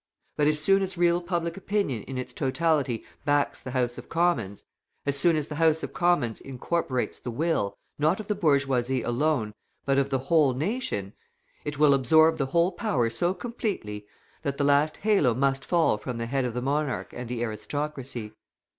But as soon as real public opinion in its totality backs the House of Commons, as soon as the House of Commons incorporates the will, not of the bourgeoisie alone, but of the whole nation, it will absorb the whole power so completely that the last halo must fall from the head of the monarch and the aristocracy.